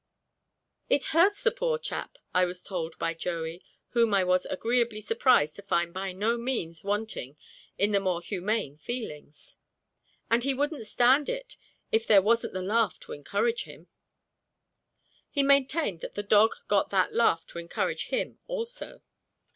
"It hurts the poor chap," I was told by Joey, whom I was agreeably surprised to find by no means wanting in the more humane feelings, "and he wouldn't stand it if there wasn't the laugh to encourage him." He maintained that the dog got that laugh to encourage him also.